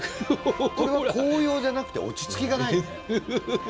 これは高揚じゃなくて落ち着きがないよね。